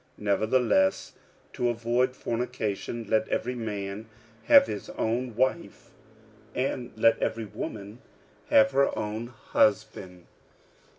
46:007:002 Nevertheless, to avoid fornication, let every man have his own wife, and let every woman have her own husband.